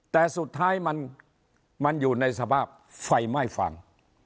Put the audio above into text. แต่สุดท้ายมันอยู่ในสภาพไฟไหม้ฟัง